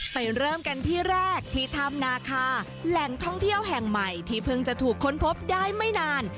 เริ่มกันที่แรกที่ถ้ำนาคาแหล่งท่องเที่ยวแห่งใหม่ที่เพิ่งจะถูกค้นพบได้ไม่นาน